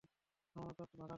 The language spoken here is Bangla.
আমরা তো ভাড়া থাকি।